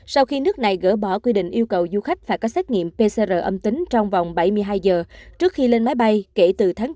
sau khi nước này gỡ bỏ quy định yêu cầu du khách phải có xét nghiệm pcr âm tính trong vòng bảy mươi hai giờ trước khi lên máy bay kể từ tháng bốn